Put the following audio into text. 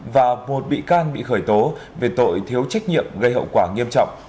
và một bị can bị khởi tố về tội thiếu trách nhiệm gây hậu quả nghiêm trọng